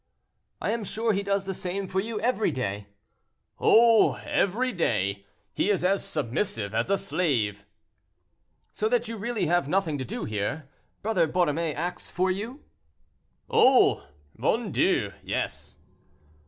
"I am sure he does the same for you every day." "Oh! every day. He is as submissive as a slave." "So that you have really nothing to do here—Brother Borromée acts for you?" "Oh! mon Dieu, yes."